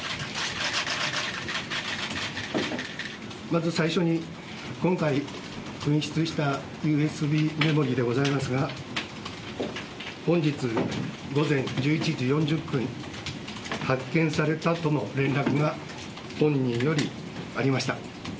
まず最初に今回紛失したＵＳＢメモリでございますが、本日午前１１時４０分、発見されたとの連絡が本人よりありました。